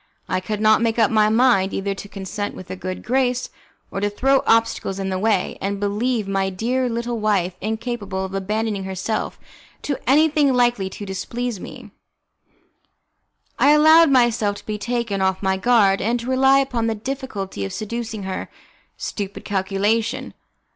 I could not make up my mind either to consent with a good grace, or to throw obstacles in the way, and, believing my dear little wife incapable of abandoning herself to anything likely to displease me, I allowed myself to be taken off my guard, and to rely upon the difficulty of seducing her. Stupid calculation!